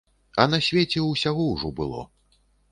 А на свеце ўсяго ўжо было.